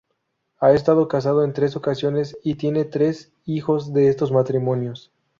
Ha estado casado en tres ocasiones y tiene tres hijos de estos matrimonios.